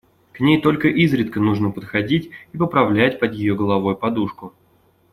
К ней только изредка нужно подходить и поправлять под ее головой подушку.